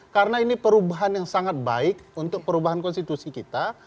karena ini perubahan yang sangat baik untuk perubahan konstitusi kita